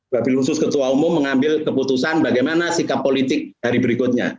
babil khusus ketua umum mengambil keputusan bagaimana sikap politik hari berikutnya